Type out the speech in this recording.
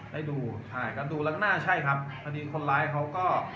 ได้ดูใช่ครับดูแล้วก็น่าใช่ครับพอดีคนร้ายเขาก็